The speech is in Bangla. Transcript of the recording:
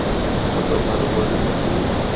কত ভালো বন্ধু তুমি।